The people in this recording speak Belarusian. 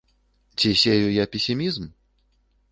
Ці сею я песімізм?